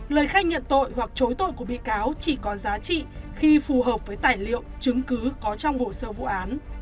lời khai nhận tội hoặc chối tội của bị cáo chỉ có giá trị khi phù hợp với tài liệu chứng cứ có trong hồ sơ vụ án